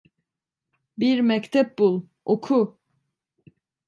"Bir mektep bul, oku!